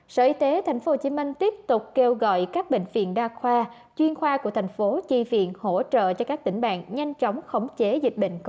sở y tế tp hcm tiếp tục kêu gọi các bệnh viện đa khoa chuyên khoa của tp hcm hỗ trợ cho các tỉnh bạc nhanh chóng khống chế dịch bệnh